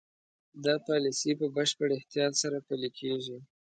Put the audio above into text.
دا پالیسي په بشپړ احتیاط سره پلي کېږي.